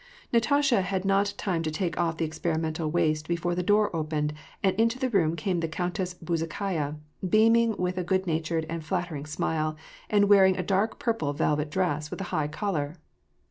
Natasha had not time to take off the experimental waist before the door opened, and into the room came the Countess Bezukhaya, beaming with a good natured and flattering smile, and wearing a dark purple velvet dress, with a high collar.